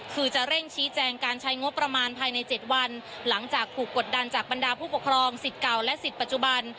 คือจะเร่งชี้แจงการใช้งบประมาณภายใน๗วันหลังจากถูกกดดันจากบรรดาผู้ปกครองสิทธิ์เก่าและสิทธิปัจจุบัน